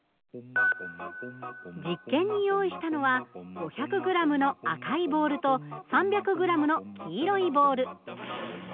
実験に用意したのは５００ｇの赤いボールと３００ｇの黄色いボール。